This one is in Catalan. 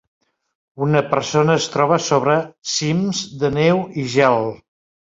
Una persona es troba sobre cims de neu i gel.